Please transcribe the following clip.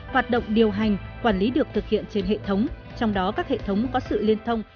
hoạt động điều hành quản lý được thực hiện trên hệ thống trong đó các hệ thống có sự liên thông